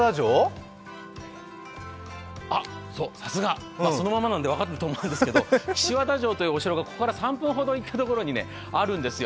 さすがそのままなんで分かったと思うんですけど、岸和田城というお城がここから３分ほど行ったところにあるんですよ。